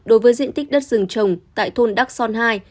đối với diện tích đất rừng trồng